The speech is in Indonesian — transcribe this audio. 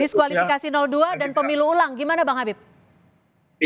diskualifikasi dua dan pemilu ulang gimana bang habib